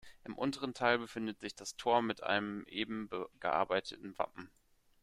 Im unteren Teil befindet sich das Tor mit einem eben gearbeiteten Wappen.